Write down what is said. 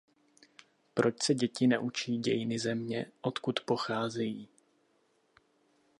Proč se děti neučí dějiny země, odkud pocházejí?